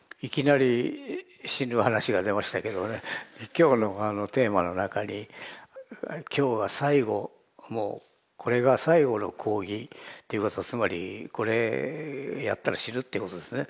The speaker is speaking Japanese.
今日のテーマの中に今日が最後もうこれが最後の講義っていうことはつまりこれやったら死ぬっていうことですね。